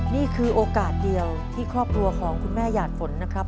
นี่คือโอกาสเดียวที่ครอบครัวของคุณแม่หยาดฝนนะครับ